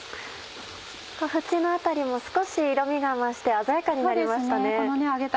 縁の辺りも少し色みが増して鮮やかになりましたね。